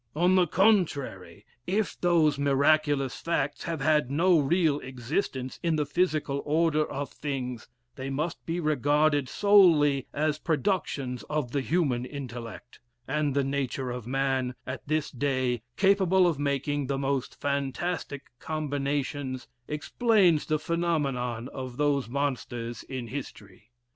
"On the contrary, if those miraculous facts have had no real existence in the physical order of things, they must be regarded solely as productions of the human intellect: and the nature of man, at this day, capable of making the most fantastic combinations, explains the phenomenon of those monsters in history.